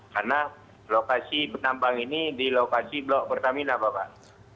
karena lokasi penambang ini di lokasi blok pertamina bapak